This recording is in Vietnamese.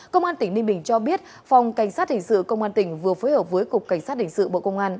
công an tỉnh ninh bình cho biết phòng cảnh sát hình sự công an tỉnh vừa phối hợp với cục cảnh sát hình sự bộ công an